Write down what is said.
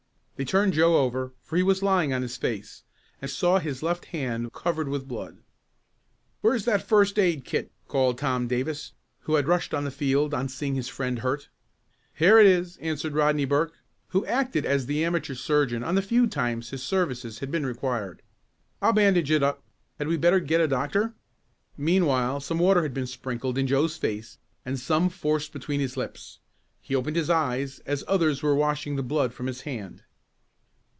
They turned Joe over, for he was lying on his face, and saw his left hand covered with blood. "Where's that first aid kit?" called Tom Davis, who had rushed on the field on seeing his friend hurt. "Here it is," answered Rodney Burke, who acted as the amateur surgeon on the few times his services had been required. "I'll bandage it up. Had we better get a doctor?" Meanwhile some water had been sprinkled in Joe's face and some forced between his lips. He opened his eyes as the others were washing the blood from his hand.